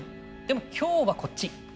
でも今日はこっち。